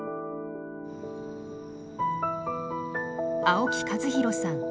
青木和洋さん